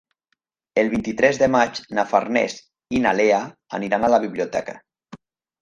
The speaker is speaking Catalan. El vint-i-tres de maig na Farners i na Lea aniran a la biblioteca.